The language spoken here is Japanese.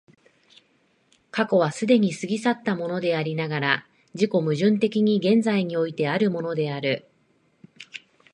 過去は既に過ぎ去ったものでありながら、自己矛盾的に現在においてあるものである。